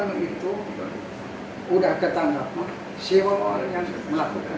ternyata akibanyu itu udah ketanggap si orang orang yang melakukan